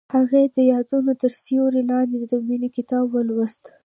هغې د یادونه تر سیوري لاندې د مینې کتاب ولوست.